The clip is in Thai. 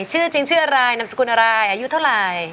ชื่อจริงชื่ออะไรนามสกุลอะไรอายุเท่าไหร่